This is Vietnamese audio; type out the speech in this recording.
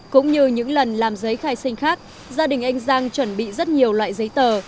cũng như những lần làm giấy khai sinh khác gia đình anh giang chuẩn bị rất nhiều loại giấy tờ